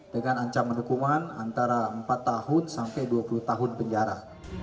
dengan ancaman hukuman antara empat tahun sampai dua puluh tahun penjara